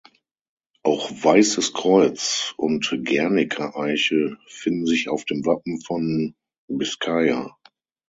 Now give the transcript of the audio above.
Auch weißes Kreuz und Gernika-Eiche finden sich auf dem Wappen von Bizkaia.